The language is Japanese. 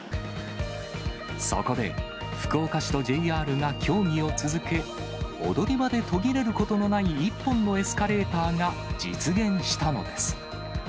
そこで、福岡市とＪＲが協議を続け、踊り場で途切れることのない一本のエスカレーターが実現したのです。